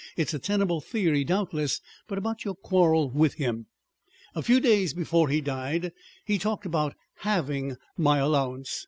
"It's a tenable theory, doubtless. But about your quarrel with him." "A few days before he died he talked about halving my allowance.